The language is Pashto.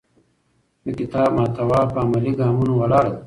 د کتاب محتوا په عملي ګامونو ولاړه ده.